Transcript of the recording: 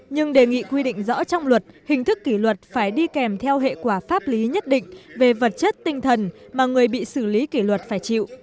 nhưng đề nghị quy định rõ trong luật hình thức kỷ luật phải đi kèm theo hệ quả pháp lý nhất định về vật chất tinh thần mà người bị xử lý kỷ luật phải chịu